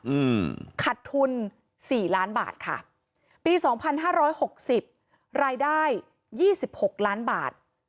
อืมขัดทุนสี่ล้านบาทค่ะปีสองพันห้าร้อยหกสิบรายได้ยี่สิบหกล้านบาท